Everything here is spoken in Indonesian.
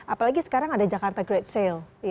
apalagi sekarang ada jakarta great sale